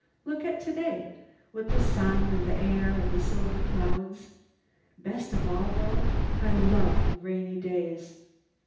Look at today, with the sun and the air and the silver clouds. Best of all, though, I love the rainy days.